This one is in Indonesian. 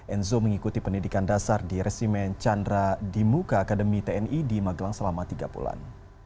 enzo mengikuti pendidikan dasar di resimen chandra di muka akademi tni di magelang selama tiga bulan